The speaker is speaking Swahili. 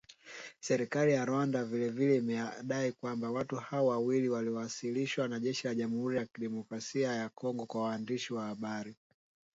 Serikali ya Rwanda vile vile imedai kwamba watu hao wawili waliowasilishwa na jeshi la Jamuhuri ya Kidemokrasia ya Kongo kwa waandishi wa habari